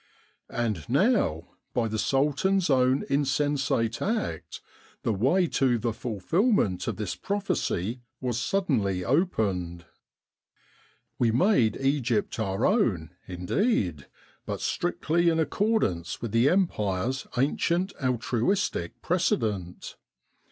'* And now, by the Sultan's own insensate act, the way to the fulfilment of this prophecy was suddenly opened. We made Egypt our own, indeed, but strictly in accordance with the Empire's ancient altruistic precedent.